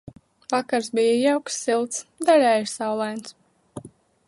Vakars bija jauks, silts, daļēji saulains.